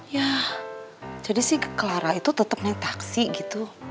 yah jadi sih clara itu tetep naik taksi gitu